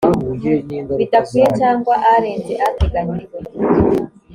bidakwiye cyangwa arenze ateganyijwe